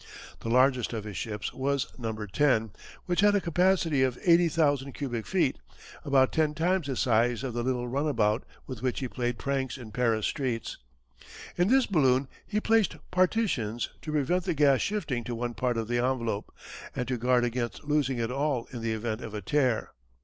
The largest of his ships was "No. X.," which had a capacity of eighty thousand cubic feet about ten times the size of the little runabout with which he played pranks in Paris streets. In this balloon he placed partitions to prevent the gas shifting to one part of the envelope, and to guard against losing it all in the event of a tear.